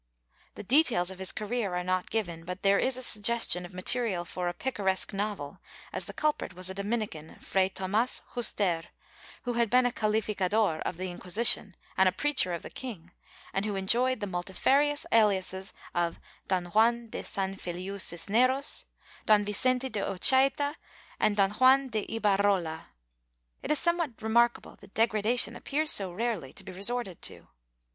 The details of his career are not given, but there is a sug gestion of material for a picaresque novel, as the culprit was a Dominican, Fray Tomas Juster, who had been a cahficador of the Inquisition and a preacher of the king, and who enjoyed the multifarious aliases of Don Juan de San Feliu Cisneros, Don Vicente de Ochaita and Don Juan de Ibarrola.^ It is somewhat remarkable that degradation appears so rarely to be resorted to.